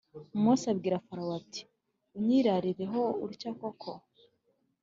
Mose abwira Farawo ati Unyirarireho utya koko‽